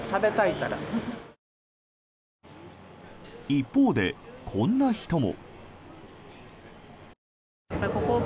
一方でこんな人も。